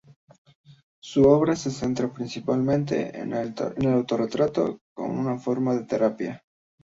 Su obra se centra principalmente en el autorretrato como una forma de terapia.